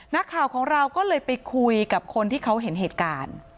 นักข่าวของเราก็เลยไปคุยกับคนที่เขาเห็นเหตุการณ์